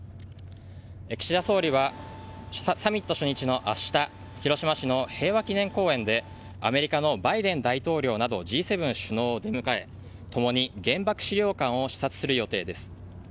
岸田総理はサミット初日の明日広島市の平和記念公園でアメリカのバイデン大統領などＧ７首脳を出迎え共に原爆資料館を視察する予定です。